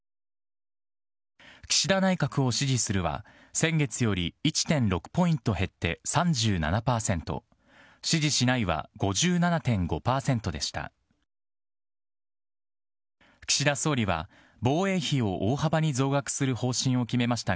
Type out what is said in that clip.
岸田内閣を支持するは、先月より１．６ポイント減って３７％。支持しないは５７．５％でした。